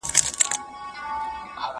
زه مخکي د کتابتوننۍ سره مرسته کړې وه!؟